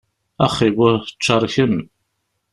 Axxi-buh, ččar kemm!